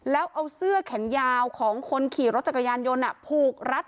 แล้วเอาเสื้อแขนยาวของคนขี่รถจักรยานยนต์ผูกรัด